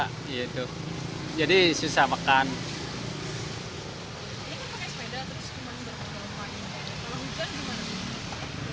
ini kan pakai sepeda terus gimana berpengalaman kalau hujan gimana